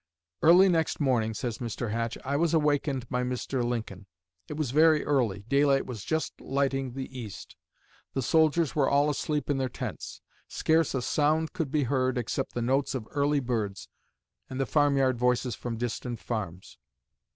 "Early next morning," says Mr. Hatch, "I was awakened by Mr. Lincoln. It was very early daylight was just lighting the east the soldiers were all asleep in their tents. Scarce a sound could be heard except the notes of early birds, and the farm yard voices from distant farms.